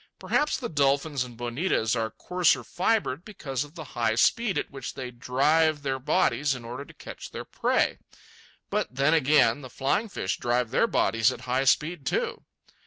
Perhaps the dolphins and bonitas are coarser fibred because of the high speed at which they drive their bodies in order to catch their prey. But then again, the flying fish drive their bodies at high speed, too.